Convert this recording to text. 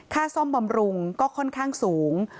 ซ่อมบำรุงก็ค่อนข้างสูง